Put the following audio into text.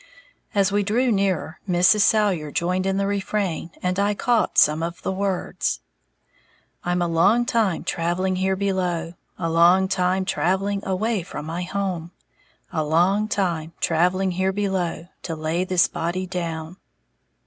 As we drew nearer, Mrs. Salyer joined in the refrain, and I caught some of the words, I'm a long time travelling here below, A long time travelling away from my home. A long time travelling here below To lay this body down!